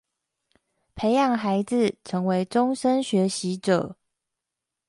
培養孩子成為終身學習者